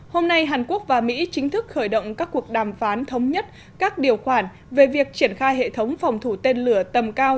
hôm nay hàn quốc và mỹ chính thức khởi động các cuộc đàm phán thống nhất các điều khoản về việc triển khai hệ thống phòng thủ tên lửa tầm cao